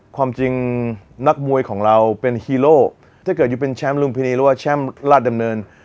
ความจริงนักมวยของเราเป็นฮีโร่ถ้าเกิดอยู่เป็นแชมป์ลุมพินีหรือว่าแชมป์ราชดำเนิน